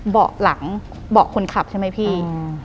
เบาะหลังเบาะคนขับใช่ไหมพี่